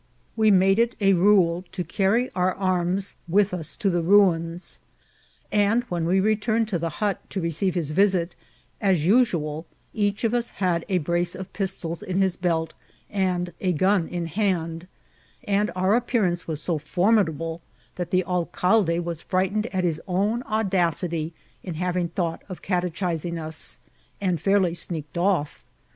We made it a rule to carry our anns with us to the ruins, and when we returned to the hot to receive his visit, as usual, each of us had a brace of pistols in his belt and a gun in hand ; and our ap pearance was so formidable that the alcalde was fright ened at his own audacity in having thought of catechi TBXATI0U8 SUSPICIOKS. 128 nng 1189 and fairly sneaked off.